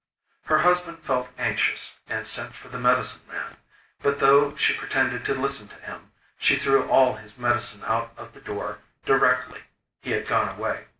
Her husband felt anxious, and sent for the medicine man; but though she pretended to listen to him, she threw all his medicine out of the door directly he had gone away.